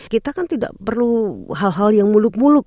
kita kan tidak perlu hal hal yang muluk muluk